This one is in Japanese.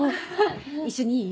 一緒にいい？